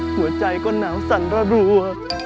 หัวใจก็หนาวสั่นระรัว